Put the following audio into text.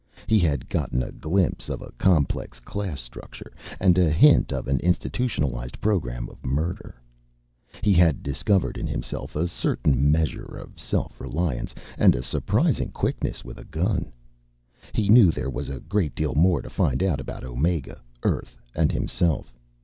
He had gotten a glimpse of a complex class structure, and a hint of an institutionalized program of murder. He had discovered in himself a certain measure of self reliance, and a surprising quickness with a gun. He knew there was a great deal more to find out about Omega, Earth, and himself.